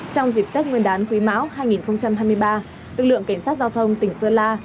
trong dịp tết nguyên đán quý máu hai nghìn hai mươi ba lực lượng cảnh sát giao thông tỉnh sơn la